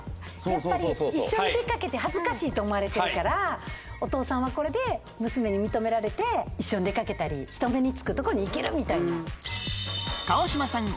やっぱり一緒に出かけて恥ずかしいと思われてるからお父さんはこれで娘に認められて一緒に出かけたり人目につくとこに行けるみたいな川島さん